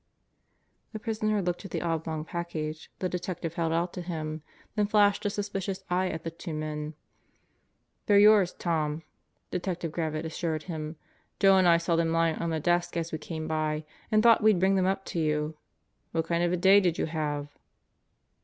The prisoner looked at the oblong package the detective held out to him, then flashed a suspicious eye at the two men. "They're yours, Tom," Detective Gravitt assured him. "Joe and I saw them lying on the desk as we came by and thought we'd bring them up to you. What kind of a day did you have?"